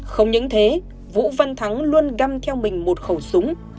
không những thế vũ văn thắng luôn găm theo mình một khẩu súng